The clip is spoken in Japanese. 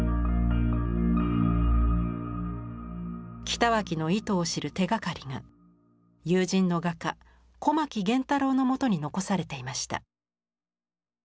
北脇の意図を知る手がかりが友人の画家小牧源太郎のもとに残されていました。